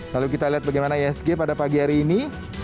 lalu kita lihat bagaimana isg pada pagi hari ini